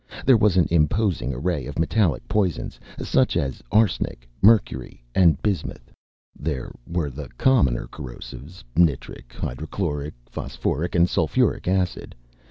There was an imposing array of metallic poisons such as arsenic, mercury, and bismuth. There were the commoner corrosives nitric, hydrochloric, phosphoric, and sulphuric acid.